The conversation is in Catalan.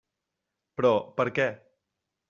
Però, per què?